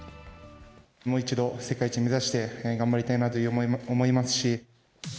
もう一度、世界一目指して頑張りたいなと思いますし。